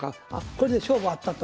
これで勝負あったと。